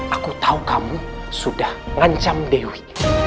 aku tahu kamu sudah ngancam dewi